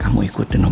kami pernah berdaulum